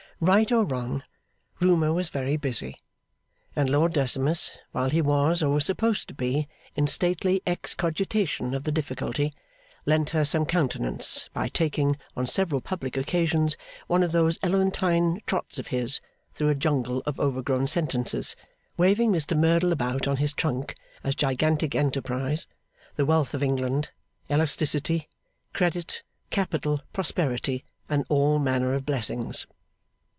Right or wrong, Rumour was very busy; and Lord Decimus, while he was, or was supposed to be, in stately excogitation of the difficulty, lent her some countenance by taking, on several public occasions, one of those elephantine trots of his through a jungle of overgrown sentences, waving Mr Merdle about on his trunk as Gigantic Enterprise, The Wealth of England, Elasticity, Credit, Capital, Prosperity, and all manner of blessings.